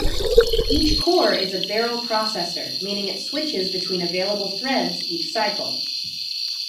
Each core is a barrel processor, meaning it switches between available threads each cycle.